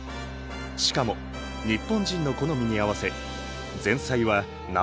しかも日本人の好みに合わせ前菜は生野菜のサラダ。